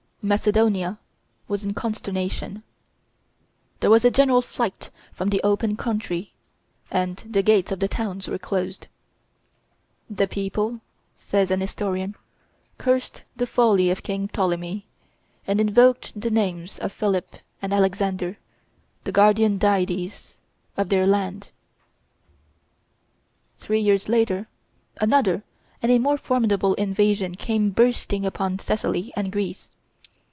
Macedonia was in consternation; there was a general flight from the open country, and the gates of the towns were closed. "The people," says an historian, "cursed the folly of King Ptolemy, and invoked the names of Philip and Alexander, the guardian deities of their land." Three years later, another and a more formidable invasion came bursting upon Thessaly and Greece.